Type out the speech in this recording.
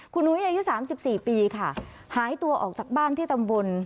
คุณนุ้ยอายุ๓๔ปีค่ะหายตัวออกจากบ้านที่ตำบล